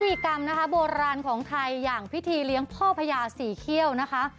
กิจกรรมนะคะโบราณของไทยอย่างพิธีเลี้ยงพ่อพญาสีเขี้ยวนะคะ